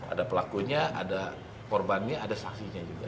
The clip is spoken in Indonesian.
ada pelakunya ada korbannya ada saksinya juga